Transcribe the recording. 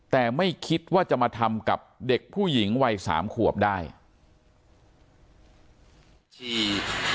แต่ไม่คิดว่าจะมาทำกับเด็กผู้หญิงวัยสามขวบได้